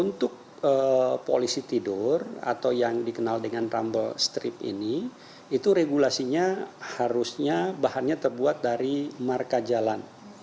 untuk polisi tidur atau yang dikenal dengan rumble strip ini itu regulasinya harusnya bahannya terbuat dari marka jalan